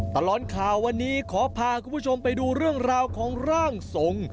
ตลอดข่าววันนี้ขอพาคุณผู้ชมไปดูเรื่องราวของร่างทรง